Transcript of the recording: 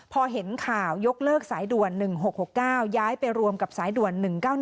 พอเห็นข่าวยกเลิกสายด่วน๑๖๖๙ย้ายไปรวมกับสายด่วน๑๙๑